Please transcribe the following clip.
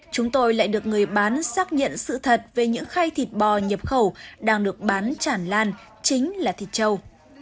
chúng tôi lại được người bán xác nhận sự thật về những khay thịt bò nhập khẩu đang được bán chản lan chính là thịt trâu